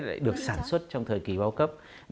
lại được sản xuất trong thời kì báo cấp